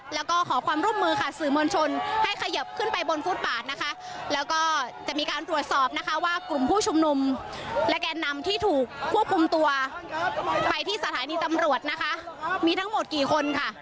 แล้วก็ขอความร่วมมือค่ะสื่อมวลชนให้เขยิบขึ้นไปบนฟุตบาทนะคะแล้วก็จะมีการตรวจสอบนะคะว่ากลุ่มผู้ชุมนุมและแกนนำที่ถูกควบคุมตัวไปที่สถานีตำรวจนะคะมีทั้งหมดกี่คนค่ะ